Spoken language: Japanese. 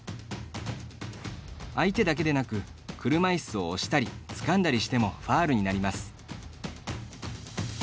相手だけでなく、車いすを押したり、つかんだりしてもファウルになります。